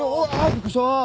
びっくりした！